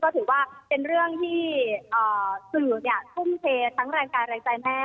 ถือว่าเป็นเรื่องที่สื่อทุ่มเททั้งแรงกายแรงใจแม่